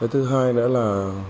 thứ hai nữa là